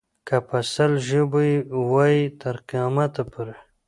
که په سل ژبو یې وایې تر قیامته پورې.